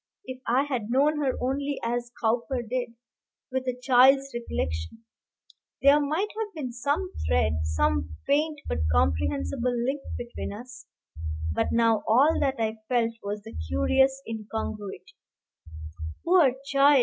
If I had known her only as Cowper did with a child's recollection there might have been some thread, some faint but comprehensible link, between us; but now all that I felt was the curious incongruity. Poor child!